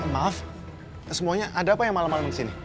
maaf semuanya ada apa yang malem malem kesini